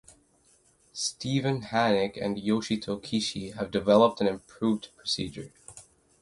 Steven Hannick and Yoshito Kishi have developed an improved procedure.